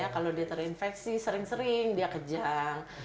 kalau dia terinfeksi sering sering dia kejang